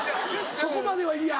そこまでは嫌。